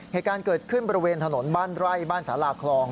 เหตุการณ์เกิดขึ้นบริเวณถนนบ้านไร่บ้านสาลาคลอง